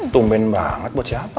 tumben banget buat siapa